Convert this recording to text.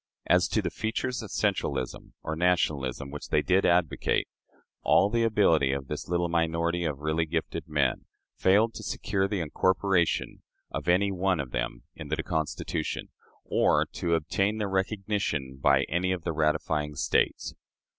As to the features of centralism, or nationalism, which they did advocate, all the ability of this little minority of really gifted men failed to secure the incorporation of any one of them into the Constitution, or to obtain their recognition by any of the ratifying States.